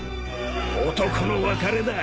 男の別れだ。